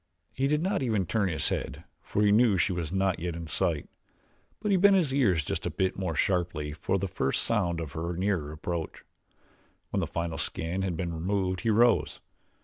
He did not even turn his head for he knew she was not yet in sight; but he bent his ears just a bit more sharply for the first sound of her nearer approach. When the final skin had been removed he rose.